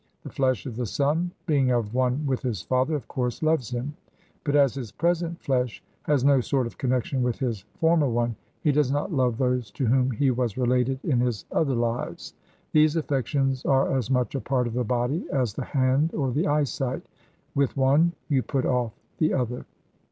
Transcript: The flesh of the son, being of one with his father, of course loves him; but as his present flesh has no sort of connection with his former one, he does not love those to whom he was related in his other lives. These affections are as much a part of the body as the hand or the eyesight; with one you put off the other.'